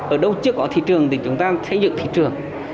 ở đâu chưa có thị trường thì chúng ta xây dựng thị trường